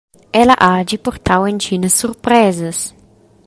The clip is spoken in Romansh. Ella hagi purtau entginas surpresas.